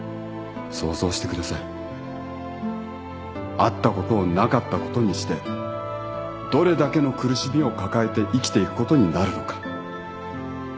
あったことをなかったことにしてどれだけの苦しみを抱えて生きていくことになるのか。